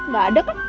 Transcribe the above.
gak ada kan